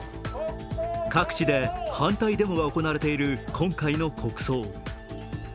各地で反対デモが行われている今回の国葬。